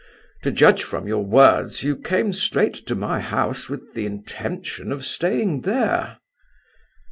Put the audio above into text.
"To judge from your words, you came straight to my house with the intention of staying there."